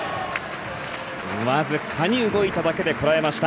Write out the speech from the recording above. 僅かに動いただけでこらえました。